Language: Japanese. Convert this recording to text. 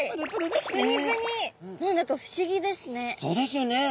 何だか不思議ですね。